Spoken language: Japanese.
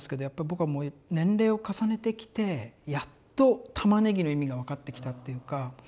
やっぱ僕はもう年齢を重ねてきてやっと「玉ねぎ」の意味が分かってきたっていうか。